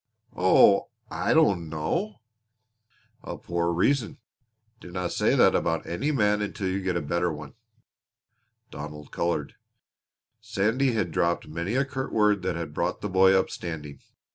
"Oh, I don't know." "A poor reason. Dinna say that about any man until you get a better one." Donald colored. Sandy had dropped many a curt word that had brought the boy up, standing.